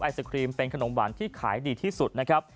สครีมเป็นขนมหวานที่ขายดีที่สุดนะครับ